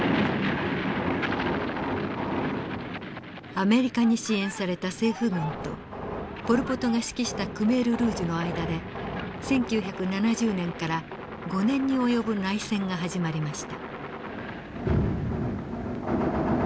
アメリカに支援された政府軍とポル・ポトが指揮したクメール・ルージュの間で１９７０年から５年に及ぶ内戦が始まりました。